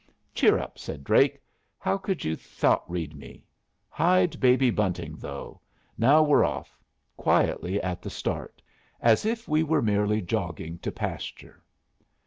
"Cheer up," said Drake. "How could you thought read me? Hide Baby Bunting, though. Now we're off. Quietly, at the start. As if we were merely jogging to pasture."